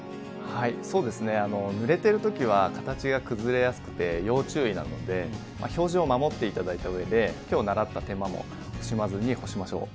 はいそうですねぬれてる時は形が崩れやすくて要注意なので表示を守って頂いた上で今日習った手間も惜しまずに干しましょう。